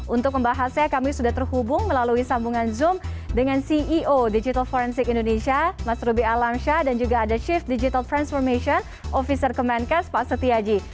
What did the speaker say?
untuk membahasnya kami sudah terhubung melalui sambungan zoom dengan ceo digital forensik indonesia mas ruby alamsyah dan juga ada chief digital transformation officer kemenkes pak setiaji